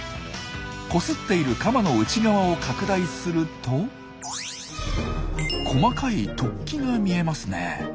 こすっているカマの内側を拡大すると細かい突起が見えますね。